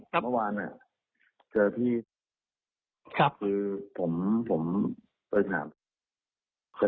เมื่อวานเจอพี่ผมเลยถามอย่างไรบ้างแต่ล่าว่าจะตามผมก็สงสารพี่นะ